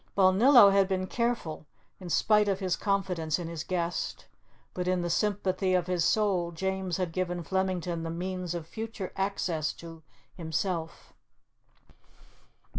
Balnillo had been careful, in spite of his confidence in his guest; but in the sympathy of his soul James had given Flemington the means of future access to himself.